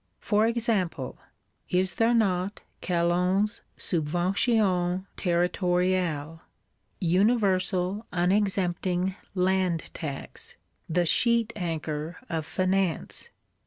For example, is there not Calonne's Subvention Territoriale, universal, unexempting Land tax; the sheet anchor of Finance?